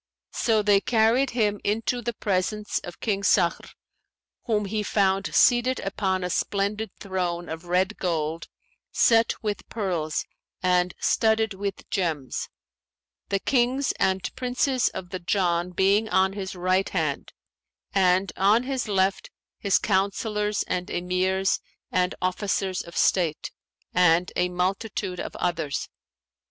So they carried him into the presence of King Sakhr, whom he found seated upon a splendid throne of red gold, set with pearls and studded with gems; the Kings and Princes of the Jann being on his right hand, and on his left his Councillors and Emirs and Officers of state, and a multitude of others.